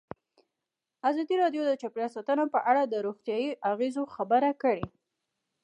ازادي راډیو د چاپیریال ساتنه په اړه د روغتیایي اغېزو خبره کړې.